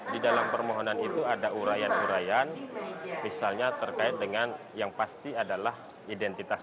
di dalam permohonan itu ada urayan urayan misalnya terkait dengan yang pasti adalah identitas